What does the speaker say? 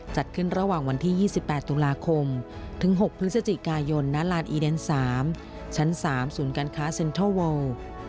จัดขึ้นระหว่างวันที่๒๘ตุลาคมถึง๖พฤศจิกายนณลานอีเดน๓ชั้น๓ศูนย์การค้าเซ็นทรัลวอล